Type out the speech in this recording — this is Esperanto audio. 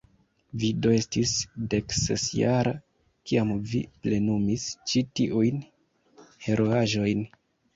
Vi do estis deksesjara, kiam vi plenumis ĉi tiujn heroaĵojn?